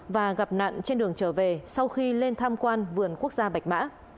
và gặp nạn trên đường trở về sau khi lên tham quan vườn quốc gia bạch mã